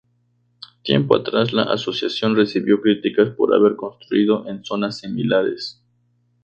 Tiempo atrás la asociación recibió críticas por haber construido en zonas similares.